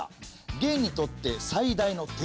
元にとって最大の敵。